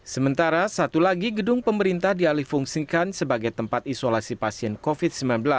sementara satu lagi gedung pemerintah dialih fungsikan sebagai tempat isolasi pasien covid sembilan belas